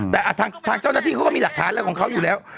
แต่ทางเจ้าหน้าที่เขาก็มีหลักฐานอะไรของเขาอยู่แล้ว